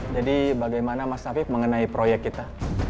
jadi bagaimana mas tafiq mengenai proyek kita